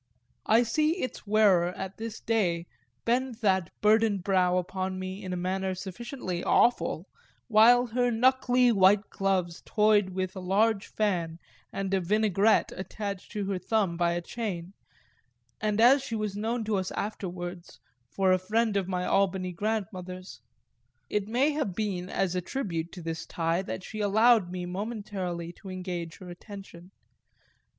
I see its wearer at this day bend that burdened brow upon me in a manner sufficiently awful, while her knuckly white gloves toyed with a large fan and a vinaigrette attached to her thumb by a chain; and as she was known to us afterwards for a friend of my Albany grandmother's it may have been as a tribute to this tie that she allowed me momentarily to engage her attention.